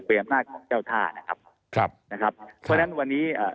เป็นอำนาจของเจ้าท่านะครับครับนะครับเพราะฉะนั้นวันนี้เอ่อ